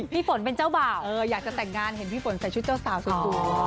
พี่ฝนเป็นเจ้าบ่าวอยากจะแต่งงานเห็นพี่ฝนใส่ชุดเจ้าสาวสวย